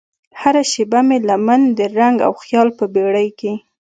هره شیبه مې لمن د رنګ او خیال په بیړۍ کې